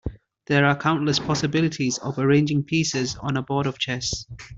There are countless possibilities of arranging pieces on a board of chess.